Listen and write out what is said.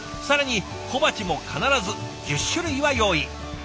更に小鉢も必ず１０種類は用意。